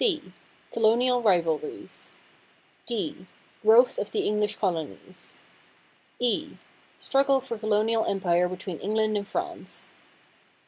C "Colonial Rivalries." D "Growth of the English Colonies." E "Struggle for Colonial Empire between England and France."